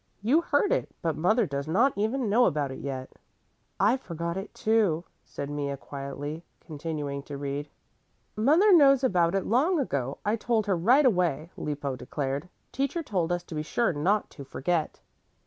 You heard it, but mother does not even know about it yet." "I forgot it, too," said Mea quietly, continuing to read. "Mother knows about it long ago. I told her right away," Lippo declared. "Teacher told us to be sure not to forget."